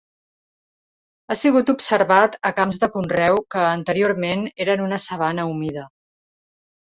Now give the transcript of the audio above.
Ha sigut observat a camps de conreu que anteriorment eren una sabana humida.